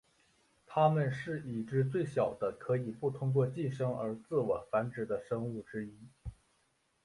它们是已知最小的可以不通过寄生而自我繁殖的生物之一。